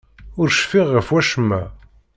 Ur cfiɣ ɣef wacemma.